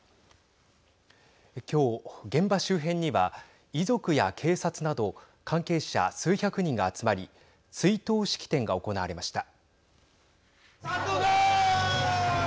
今日、現場周辺には遺族や警察など関係者、数百人が集まり追悼式典が行われました。